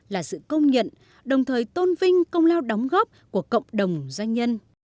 là sự công nhận đồng thời tôn vinh công lao đóng góp của cộng đồng doanh nhân